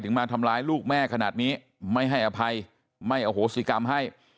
มาทำร้ายลูกแม่ขนาดนี้ไม่ให้อภัยไม่อโหสิกรรมให้